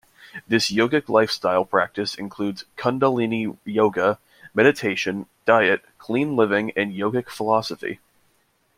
This yogic lifestyle practice includes Kundalini yoga, meditation, diet, clean living, and yogic philosophy.